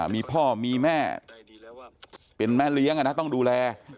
มีพ่อมีแม่เป็นแม่เลี้ยงต้องดูแล